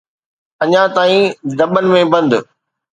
اڃا تائين دٻن ۾ بند.